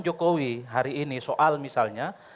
jokowi hari ini soal misalnya